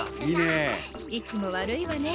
いつも悪いわね